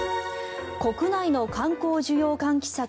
国内の観光需要喚起策